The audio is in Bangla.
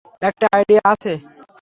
একটা আইডিয়া আছে।